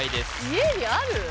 家にある？